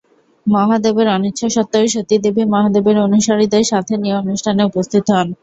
মহাদেবের অনিচ্ছা সত্ত্বেও সতী দেবী মহাদেবের অনুসারীদের সাথে নিয়ে অনুষ্ঠানে উপস্থিত হন।